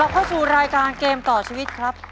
เข้าสู่รายการเกมต่อชีวิตครับ